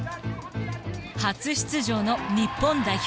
初出場の日本代表。